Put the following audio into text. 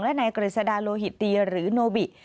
และนายกฤษดาโลหิตดีหรือโนบิ